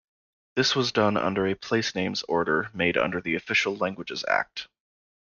This was done under a Placenames Order made under the Official Languages Act.